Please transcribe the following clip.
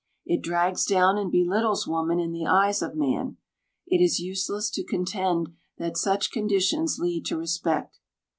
It drags down and belittles woman in the eyes of man. It is useless to contend that such conditions lead to respect.